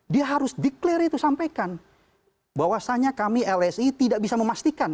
dia harus declare itu sampaikan bahwasannya kami lsi tidak bisa memastikan